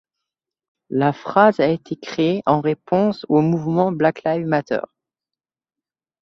La phrase a été créée en réponse au mouvement Black Lives Matter.